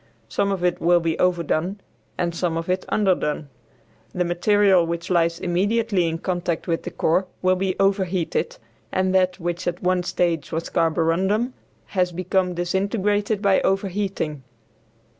Some of it will be "overdone" and some of it "underdone." The material which lies immediately in contact with the core will be overheated, and that, which at one stage was carborundum, has become disintegrated by overheating.